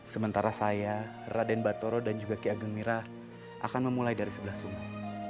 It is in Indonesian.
sementara saya raden batoro dan juga ki ageng mira akan memulai dari sebelah sungai